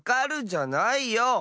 じゃないよ！